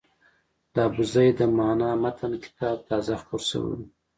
د ابوزید د معنای متن کتاب تازه خپور شوی و.